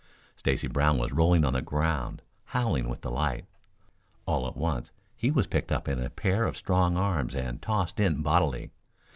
Stacy Brown was rolling on the ground, howling with delight. All at once he was picked up in a pair of strong arms and tossed in bodily.